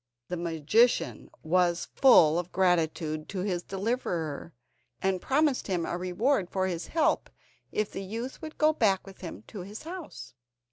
The magician was full of gratitude to his deliverer, and promised him a reward for his help if the youth would go back with him to his house.